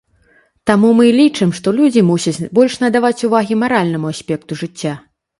Таму мы і лічым, што людзі мусяць больш надаваць увагі маральнаму аспекту жыцця.